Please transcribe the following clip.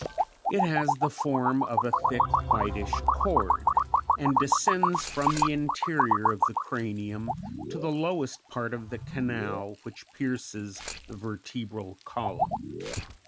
It has the form of a thick, whitish cord, and descends from the interior of the cranium to the lowest part of the canal which pierces the vertebral column.